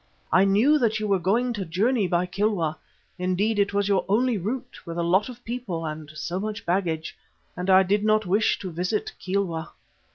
I knew that you were going to journey by Kilwa; indeed it was your only route with a lot of people and so much baggage, and I did not wish to visit Kilwa."